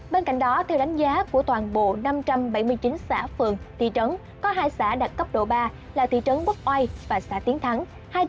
bên cạnh đó theo đánh giá của toàn bộ năm trăm bảy mươi chín xã phường thị trấn có hai xã đạt cấp độ ba là thị trấn quốc oai và xã tiến thắng